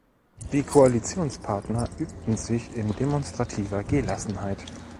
Die Koalitionspartner übten sich in demonstrativer Gelassenheit.